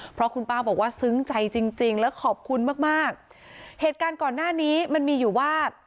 เพราะคุณป้าบอกว่าซึ้งใจจริงจริงแล้วขอบคุณมากมากเหตุการณ์ก่อนหน้านี้มันมีอยู่ว่า